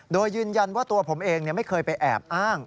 โดยยืนยันว่าตัวผมเองไม่เคยไปแอบอ้าง